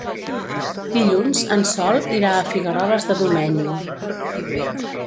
Dilluns en Sol irà a Figueroles de Domenyo.